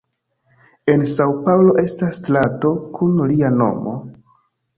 En San-Paŭlo estas strato kun lia nomo.